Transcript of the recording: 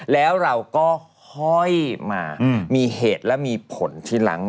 แล้วเราก็ห้อยมามีเหตุและมีผลทีหลัง